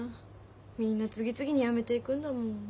みんな次々に辞めていくんだもん。